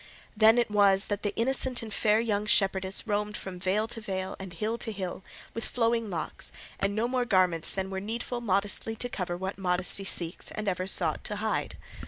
Then was it that the innocent and fair young shepherdess roamed from vale to vale and hill to hill, with flowing locks, and no more garments than were needful modestly to cover what modesty seeks and ever sought to hide.